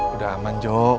udah aman jok